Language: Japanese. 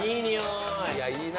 いいな。